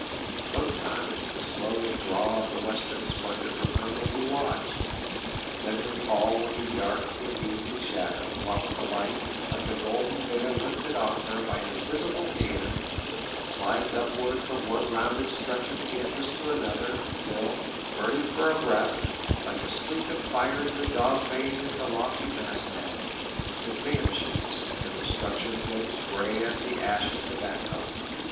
Sometimes the slow withdrawal of the western splendour from her may be watched ; then her hull will be dark with evening shadow, whilst the light, like a golden veil lifted off her by an invisible hand, slides upwards from one rounded stretch of canvas to another, till, burning for a breath, like a streak of fire in the dog vane at the lofty mast head, it vanishes, and the structure floats gray as the ash of tobacco.